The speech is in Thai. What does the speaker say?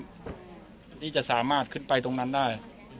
อันนี้จะสามารถขึ้นไปตรงนั้นได้